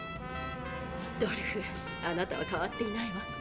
ドルフあなたは変わっていないわ。